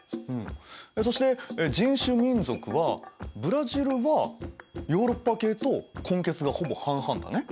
そして人種・民族はブラジルはヨーロッパ系と混血がほぼ半々だね。